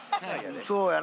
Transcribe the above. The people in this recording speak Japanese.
そうやな。